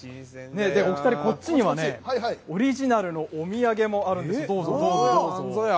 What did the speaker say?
お２人、こっちにはね、オリジナルのお土産もあるんですよ、なんぞや。